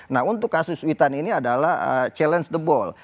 nah untuk kasus witan ini adalah challenge the boll